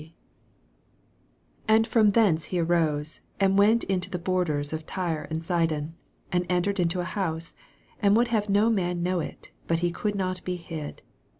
24 And from thence he arose, and went into the borders of Tyre and Sidon, and entered into an house, and would have no man know it : but he could not be hid.